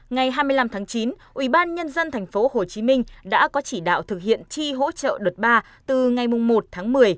ngày hai mươi năm tháng chín ubnd tp hcm đã có chỉ đạo thực hiện chi hỗ trợ đợt ba từ ngày một tháng một mươi